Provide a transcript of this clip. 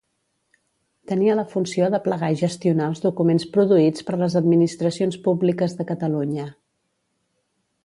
Tenia la funció d'aplegar i gestionar els documents produïts per les administracions públiques de Catalunya.